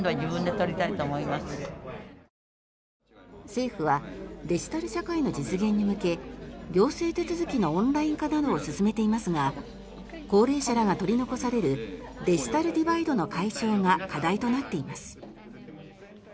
政府はデジタル社会の実現に向け行政手続きのオンライン化などを進めていますが高齢者らが取り残されるデジタルディバイドの解消が課題となっています。